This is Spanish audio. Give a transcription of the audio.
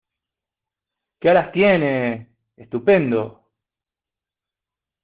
¡ Qué alas tiene! ¡ estupendo !